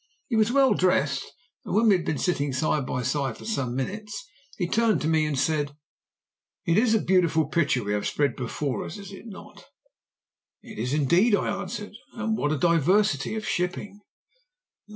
He was well dressed, and when we had been sitting side by side for some minutes he turned to me and said "'It is a beautiful picture we have spread before us, is it not?' "'It is, indeed,' I answered. 'And what a diversity of shipping!'